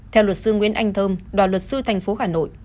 theo luật sư nguyễn anh thơm đoàn luật sư thành phố hà nội